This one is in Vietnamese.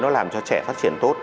nó làm cho trẻ phát triển tốt